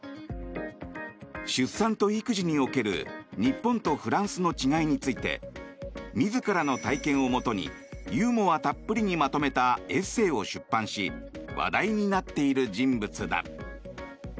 出産と育児における日本とフランスの違いについて自らの体験をもとにユーモアたっぷりにまとめたエッセーを出版し話題になっている人物だ。